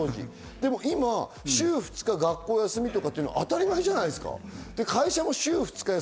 でも今、週２日休みって当たり前じゃないですか。